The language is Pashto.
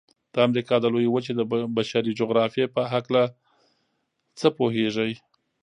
د امریکا د لویې وچې د بشري جغرافیې په هلکه څه پوهیږئ؟